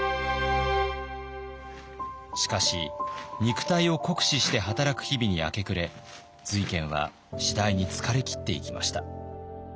しかし肉体を酷使して働く日々に明け暮れ瑞賢は次第に疲れ切っていきました。